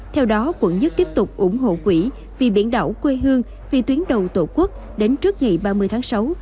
theo đó quận một tiếp tục ủng hộ quỹ vì biển đảo quê hương vì tuyến đầu tổ quốc đến trước ngày ba mươi tháng sáu